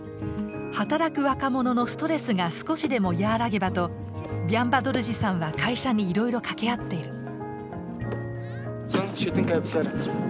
働く若者のストレスが少しでも和らげばとビャンバドルジさんは会社にいろいろかけあってる。